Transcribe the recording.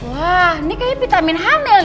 wah ini kayaknya vitamin hamil